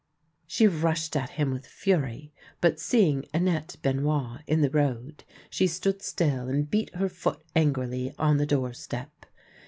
She rushed at him with fury, but seeing Annette Benoit in the road, she stood still and beat her foot angrily on the doorstep.